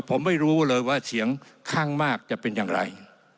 ผมไม่รู้เลยว่าเสียงข้างมากจะเป็นอย่างไร